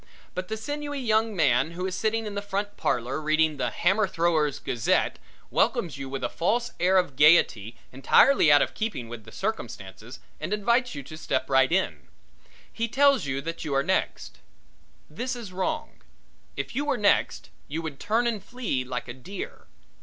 But the sinewy young man who is sitting in the front parlor reading the Hammer Thrower's Gazette, welcomes you with a false air of gaiety entirely out of keeping with the circumstances and invites you to step right in. He tells you that you are next. This is wrong if you were next you would turn and flee like a deer.